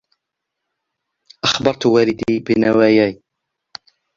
أخبرت والديّ بنواياي.